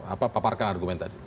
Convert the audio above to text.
apa paparkan argumen tadi